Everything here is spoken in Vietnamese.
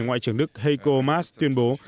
ngoại trưởng đức heiko maas tuyên bố